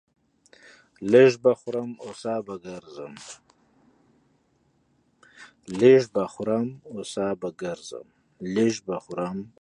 لږ به خورم ، هو سا به گرځم.